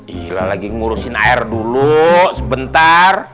ih lah lagi ngurusin air dulu sebentar